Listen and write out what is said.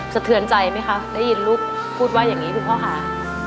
สะเทือนใจไหมคะได้ยินลูกพูดว่าอย่างนี้คุณพ่อค่ะ